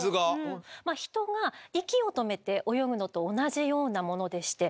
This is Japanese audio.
人が息を止めて泳ぐのと同じようなものでして。